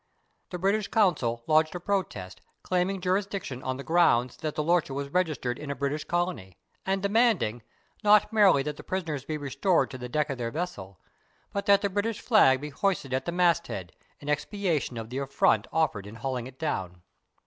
The British Consul lodged a protest claiming jurisdic tion on the ground that the lorcha was registered in a British colony, and demanding, not merely that the prisoners be restored to the deck of their vessel, but that the British flag be hoisted at the masthead, in expiation of the affront offered in hauling it down.